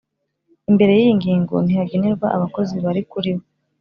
imbere y iyi ngingo ntihagenerwa abakozi bari kuri we